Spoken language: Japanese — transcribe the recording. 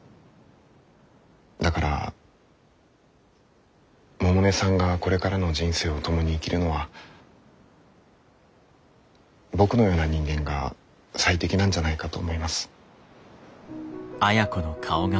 だから百音さんがこれからの人生を共に生きるのは僕のような人間が最適なんじゃないかと思います。